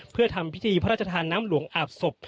เพื่อทำพิธีพระราชทานน้ำหลวงอาบศพ